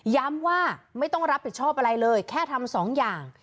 ว่าไม่ต้องรับผิดชอบอะไรเลยแค่ทำสองอย่าง